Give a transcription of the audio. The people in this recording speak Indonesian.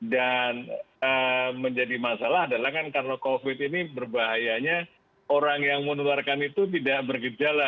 dan menjadi masalah adalah karena covid sembilan belas ini berbahayanya orang yang menularkan itu tidak berhasil